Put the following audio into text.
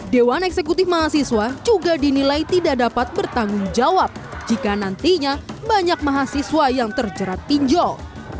dewan eksekutif mahasiswa juga dinilai tidak dapat bertanggung jawab jika nantinya banyak mahasiswa yang terjerat pinjol